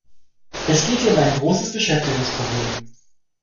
Es geht hier um ein großes Beschäftigungsproblem.